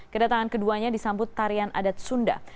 kedatangan keduanya disambut tarian adat sunda